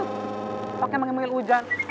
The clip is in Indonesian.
pokoknya panggil hujan